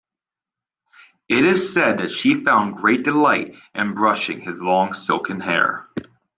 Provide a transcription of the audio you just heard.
It is said that she found great delight in brushing his long silken hair.